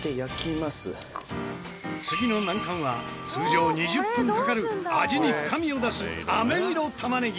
次の難関は通常２０分かかる味に深みを出す飴色玉ねぎ。